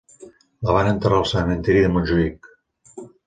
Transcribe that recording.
La van enterrar al Cementiri de Montjuïc.